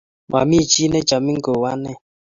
Mamie chii ne chamin kou anee